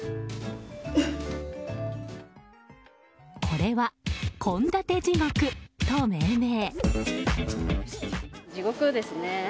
これは献立地獄と命名。